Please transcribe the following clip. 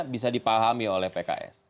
bisa dipahami oleh pks